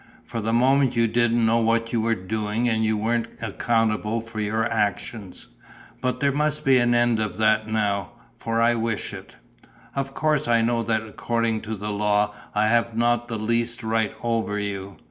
For the moment you didn't know what you were doing and you weren't accountable for your actions. But there must be an end of that now, for I wish it. Of course I know that according to the law I have not the least right over you.